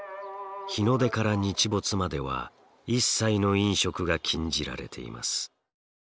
日の出から日没までは一切の飲食が禁じられています。